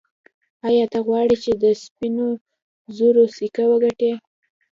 ایا ته غواړې چې د سپینو زرو سکه وګټې.